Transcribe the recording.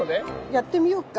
やってみようか。